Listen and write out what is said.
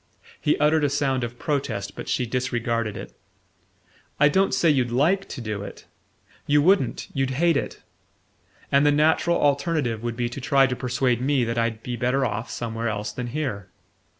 He uttered a sound of protest, but she disregarded it. "I don't say you'd LIKE to do it. You wouldn't: you'd hate it. And the natural alternative would be to try to persuade me that I'd be better off somewhere else than here.